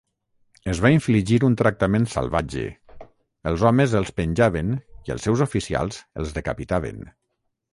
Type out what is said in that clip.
Es va infligir un tractament salvatge, els homes els penjaven i els seus oficials els decapitaven.